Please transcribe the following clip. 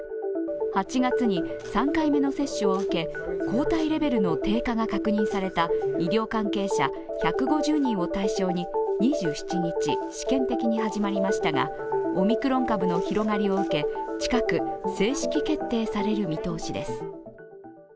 ８月に３回目の接種を受け抗体レベルの低下が確認された医療関係者１５０人を対象に２７日、試験的に始まりましたがオミクロン株の広がりを受け、近く正式決定される見通しです。